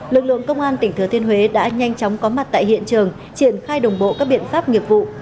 lực lượng công an tỉnh thừa thiên huế đã nhanh chóng có mặt tại hiện trường triển khai đồng bộ các biện pháp nghiệp vụ